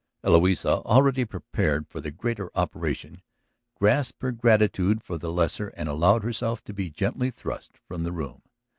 Eloisa, already prepared for the greater operation, gasped her gratitude for the lesser and allowed herself to be gently thrust from the room.